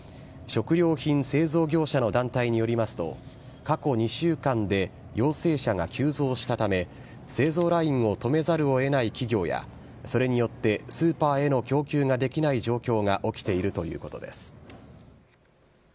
食料品製造業者の団体によりますと、過去２週間で陽性者が急増したため、製造ラインを止めざるをえない企業や、それによってスーパーへの供給ができない状況が起きているということです。